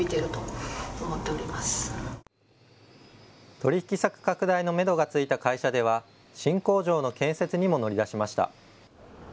取引先拡大のめどがついた会社では新工場の建設にも乗り出しました。